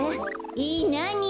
えっなに？